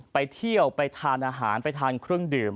ไปเที่ยวไปทานอาหารไปทานเครื่องดื่ม